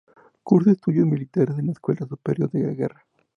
Cursó estudios militares en la Escuela Superior de Guerra.